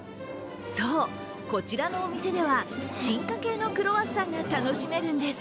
そう、こちらのお店では、進化系のクロワッサンが楽しめるんです。